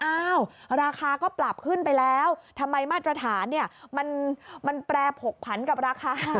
ราคาก็ปรับขึ้นไปแล้วทำไมมาตรฐานเนี่ยมันแปรผกผันกับราคา